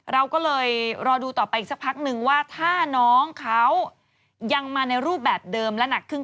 เราก็เลยรอดูต่อไปอีกสักพักนึงว่าถ้าน้องเขายังมาในรูปแบบเดิมและหนักครึ่ง